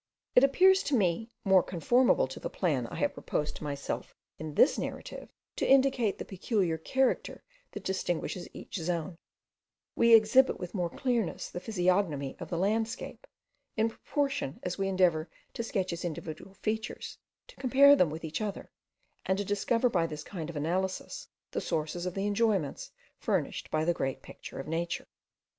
It appears to me more conformable to the plan I have proposed to myself in this narrative, to indicate the peculiar character that distinguishes each zone: we exhibit with more clearness the physiognomy of the landscape, in proportion as we endeavour to sketch its individual features, to compare them with each other, and to discover by this kind of analysis the sources of the enjoyments, furnished by the great picture of nature.